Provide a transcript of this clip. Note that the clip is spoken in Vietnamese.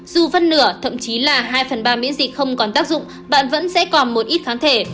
dù phân nửa thậm chí là hai phần ba miễn dịch không còn tác dụng bạn vẫn sẽ còn một ít kháng thể